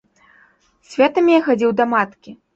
Святамі я хадзіў да маткі.